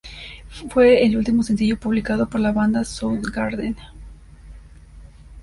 Fue el último sencillo publicado por la banda Soundgarden.